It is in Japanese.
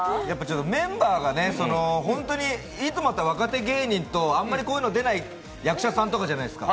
メンバーが、いつもだったら若手芸人と、いつもだったら、こういうの出ない役者さんとかじゃないですか。